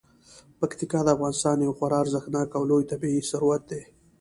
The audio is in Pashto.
پکتیکا د افغانستان یو خورا ارزښتناک او لوی طبعي ثروت دی.